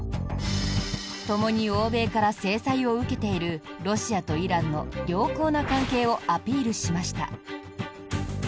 ともに欧米から制裁を受けているロシアとイランの良好な関係をアピールしました。